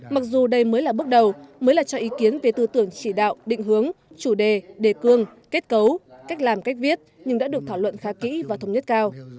mặc dù đây mới là bước đầu mới là cho ý kiến về tư tưởng chỉ đạo định hướng chủ đề đề cương kết cấu cách làm cách viết nhưng đã được thảo luận khá kỹ và thống nhất cao